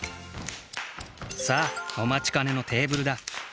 さあおまちかねのテーブルだ。